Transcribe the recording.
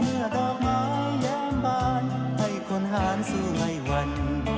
ดอกไม้แย้มบานให้คนหารสู้ให้วัน